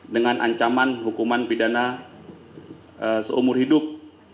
dengan ancaman hukuman pidana seumur hidup